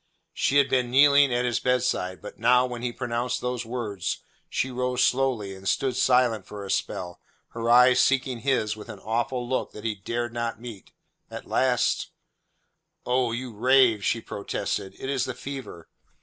She had been kneeling at his bedside; but now, when he pronounced those words, she rose slowly and stood silent for a spell, her eyes seeking his with an awful look that he dared not meet. At last: "Oh, you rave," she protested, "it is the fever."